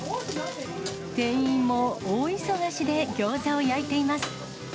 店員も大忙しでギョーザを焼いています。